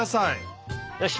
よし！